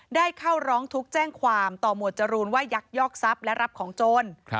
ได้เข้าร้องทุกข์แจ้งความต่อหมวดจรูนว่ายักยอกทรัพย์และรับของโจร